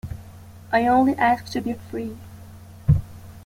I only ask to be free.